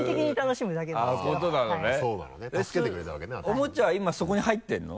おもちゃは今そこに入ってるの？